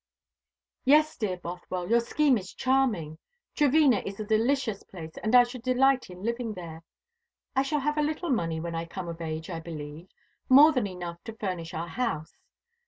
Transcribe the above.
"Yes, dear Bothwell, your scheme is charming. Trevena is a delicious place, and I should delight in living there. I shall have a little money when I come of age, I believe more than enough to furnish our house.